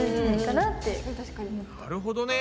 なるほどね！